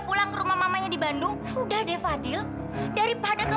gak usah mbak saya doang nafsu makan